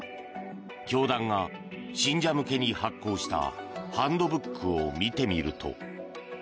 教団が信者向けに発行したハンドブックを見てみると。